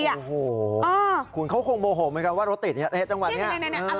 โอ้โหคุณเขาคงโมโหเหมือนกันว่ารถติดเนี่ยจังหวะนี้